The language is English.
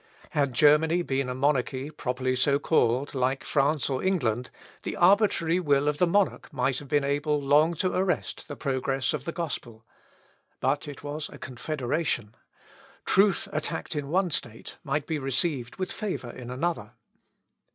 Had Germany been a monarchy properly so called, like France or England, the arbitrary will of the monarch might have been able long to arrest the progress of the gospel. But it was a confederation. Truth attacked in one state might be received with favour in another.